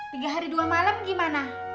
tiga hari dua malam gimana